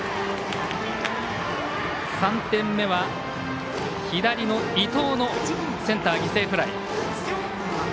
３点目は、左の伊藤のセンター犠牲フライ。